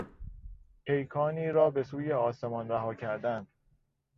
پیکانی را بهسوی آسمان رها کردن